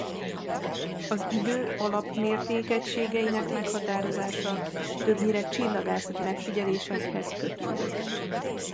Az idő alap-mértékegységeinek meghatározása többnyire csillagászati megfigyelésekhez kötődött.